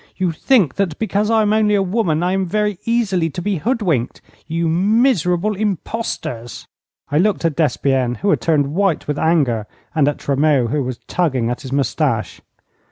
'You think that because I am only a woman I am very easily to be hoodwinked! You miserable impostors!' I looked at Despienne, who had turned white with anger, and at Tremeau, who was tugging at his moustache.